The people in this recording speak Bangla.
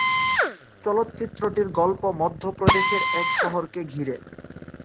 চলচ্চিত্রটির গল্প মধ্যপ্রদেশের এক শহরকে ঘিরে।